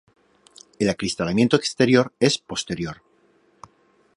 El acristalamiento exterior es posterior.